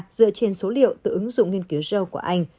và các nhà khoa học đưa ra dựa trên số liệu từ ứng dụng nghiên cứu rho của anh